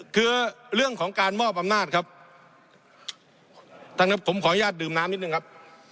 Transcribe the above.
คือเรื่องของการมอบอำนาจครับท่านครับผมขออนุญาตดื่มน้ำนิดนึงครับ